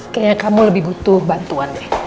kayaknya kamu lebih butuh bantuan deh